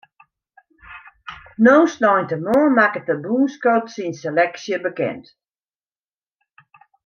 No sneintemoarn makket de bûnscoach syn seleksje bekend.